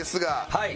はい。